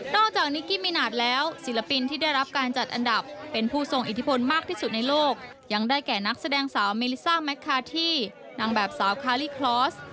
จากนิกกี้มินาทแล้วศิลปินที่ได้รับการจัดอันดับเป็นผู้ทรงอิทธิพลมากที่สุดในโลกยังได้แก่นักแสดงสาวเมลิซ่าแมคคาที่นางแบบสาวคาลิคลอส